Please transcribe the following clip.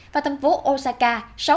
và thành phố osaka